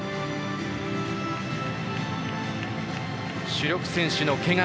主力選手のけが。